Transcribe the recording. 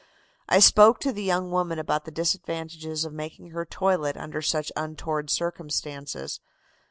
I spoke to the young woman about the disadvantages of making her toilet under such untoward circumstances.